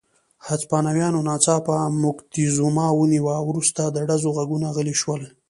هسپانویانو ناڅاپه موکتیزوما ونیوه، وروسته د ډزو غږونه غلي شول.